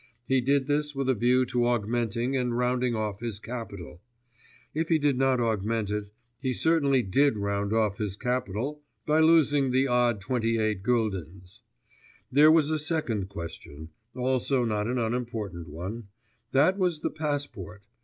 He did this with a view to augmenting and rounding off his capital; and if he did not augment it, he certainly did round off his capital by losing the odd twenty eight guldens. There was a second question, also not an unimportant one; that was the passport.